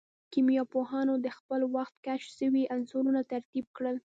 کيميا پوهانو د خپل وخت کشف سوي عنصرونه ترتيب کړل.